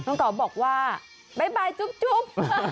เก่าบอกว่าบ๊ายบายจุ๊บ